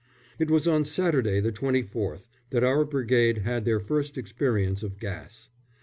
It was on Saturday, the 24th, that our Brigade had their first experience of gas.